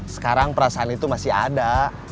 sekarang perasaan itu masih ada